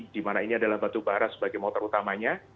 di mana ini adalah batubara sebagai motor utamanya